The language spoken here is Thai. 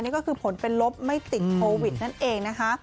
นี่ก็คือผลเป็นลบไม่ติดโควิดนั่นเองนะคะ